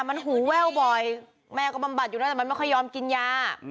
มันหูแว่วบ่อยแม่ก็บำบัดอยู่แล้วแต่มันไม่ค่อยยอมกินยา